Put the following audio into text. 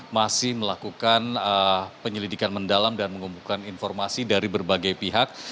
masih melakukan penyelidikan mendalam dan mengumpulkan informasi dari berbagai pihak